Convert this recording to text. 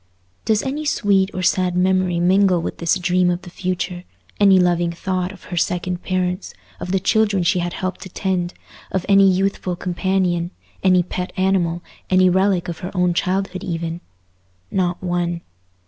Does any sweet or sad memory mingle with this dream of the future—any loving thought of her second parents—of the children she had helped to tend—of any youthful companion, any pet animal, any relic of her own childhood even? Not one.